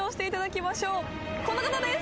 この方です。